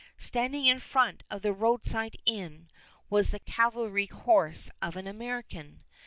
Standing in front of the roadside inn was the cavalry horse of an American.